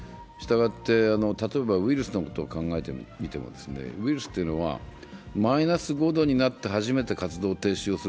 例えばウイルスのことを考えてみてもウイルスというのはマイナス５度になって初めて活動を停止する